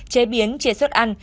chế biến chế suất ăn